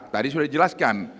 tadi sudah dijelaskan